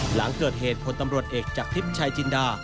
หลังเกิดเหตุพลตำรวจเอกจากทิพย์ชายจินดา